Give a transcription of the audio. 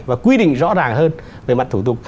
và quy định rõ ràng hơn về mặt thủ tục